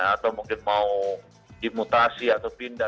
atau mungkin mau dimutasi atau pindah